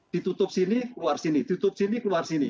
ditutup sini keluar sini ditutup sini keluar sini